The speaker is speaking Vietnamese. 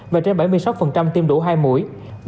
và trên bảy mươi sáu tiêm đủ hai mũi